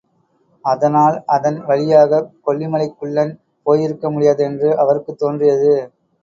அதனால் அதன் வழியாகக் கொல்லிமலைக் குள்ளன் போயிருக்க முடியாது என்று அவருக்குத் தோன்றியது.